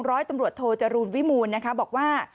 ร้อยตำรวจโทจรูลวิมูลนะคะบอกว่า